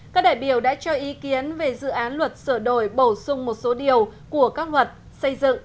các đại biểu đã cho ý kiến về dự án luật sửa đổi bổ sung một số điều của các luật xây dựng